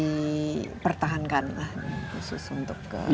yang perlu dipertahankan khusus untuk ke